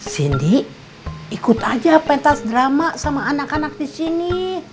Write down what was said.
sindy ikut aja main tas drama sama anak anak di sini